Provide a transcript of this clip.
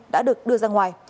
đã được đưa ra ngoài